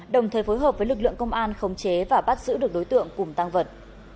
đồng thời phối hợp với lực lượng công an khống chế và bắt giữ được đối tượng cùng tăng vật